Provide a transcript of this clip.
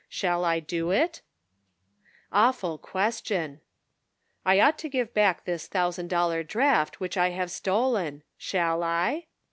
Shall I do it ?" Awful question !" I ought to give back this thousand dollar draft which I have stolen. Shall I?"